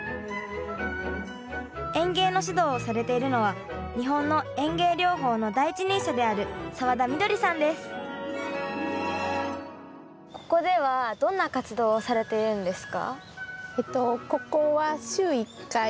園芸の指導をされているのは日本の園芸療法の第一人者であるここではどんな活動をされてるんですか？